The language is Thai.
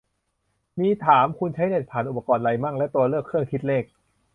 มีถาม "คุณใช้เน็ตผ่านอุปกรณ์ไรมั่ง" และตัวเลือก "เครื่องคิดเลข"